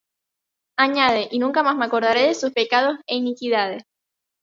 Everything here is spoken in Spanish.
Añade: Y nunca más me acordaré de sus pecados é iniquidades.